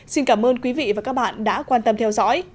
xin cảm ơn quý vị và các bạn đã quan tâm theo dõi